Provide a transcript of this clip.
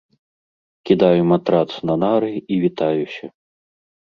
Кідаю матрац на нары і вітаюся.